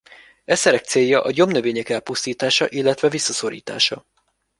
E szerek célja a gyomnövények elpusztítása illetve visszaszorítása.